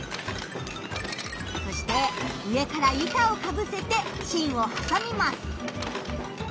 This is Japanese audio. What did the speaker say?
そして上から板をかぶせて芯をはさみます。